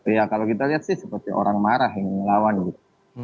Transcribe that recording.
ya kalau kita lihat sih seperti orang marah yang ngelawan gitu